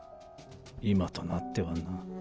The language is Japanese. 今となってはな。